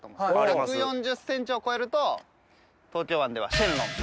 １４０ｃｍを超えると東京湾では神龍。